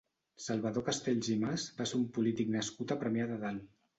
Salvador Castells i Mas va ser un polític nascut a Premià de Dalt.